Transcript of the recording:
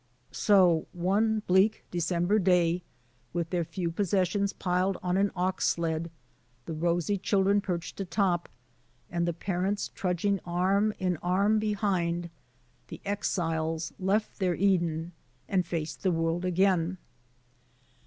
So one bleak December day, with their few pos sessions piled on 'an ox sled, the rosy children perched atop, and the parents trudging arm in arm behind, the exiles left their Eden and faced the world again.